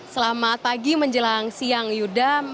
selamat pagi menjelang siang yuda